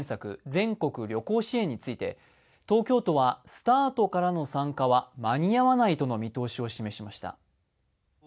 全国旅行支援について東京都はスタートからの参加は間に合わないとの見通しを示しました。